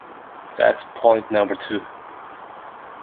That's point number two.